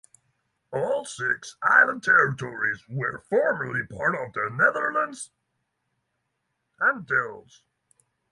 All six island territories were formerly part of the Netherlands Antilles.